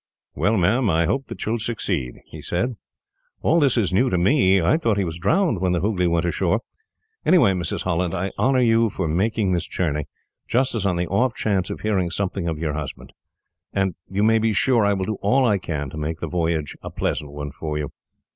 "'Well, ma'am, I hope that you will succeed,' he said. 'All this is new to me. I thought he was drowned, when the Hooghley went ashore. Anyhow, Mrs. Holland, I honour you for making this journey, just on the off chance of hearing something of your husband, and you may be sure I will do all I can to make the voyage a pleasant one for you.'